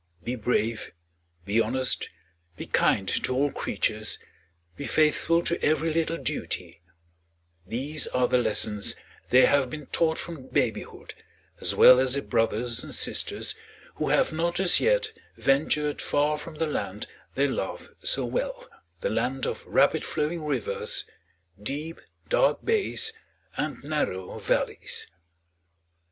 Be brave, be honest, be kind to all creatures, be faithful to every little duty, these are the lessons they have been taught from babyhood, as well as their brothers and sisters who have not as yet ventured far from the land they love so well, the land of rapid flowing rivers, deep, dark bays, and narrow valleys.